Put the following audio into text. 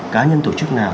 cá nhân tổ chức nào